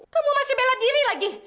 kamu mau masih bela diri lagi